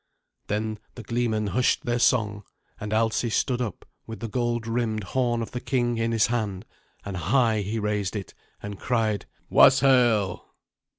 Then the gleemen hushed their song, and Alsi stood up with the gold rimmed horn of the king in his hand, and high he raised it, and cried, "Waeshael!"